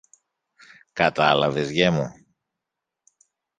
Κατάλαβες, γιε μου;